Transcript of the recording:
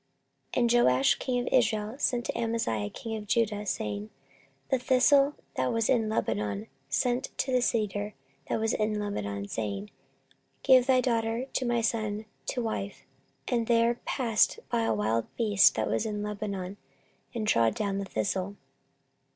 14:025:018 And Joash king of Israel sent to Amaziah king of Judah, saying, The thistle that was in Lebanon sent to the cedar that was in Lebanon, saying, Give thy daughter to my son to wife: and there passed by a wild beast that was in Lebanon, and trode down the thistle.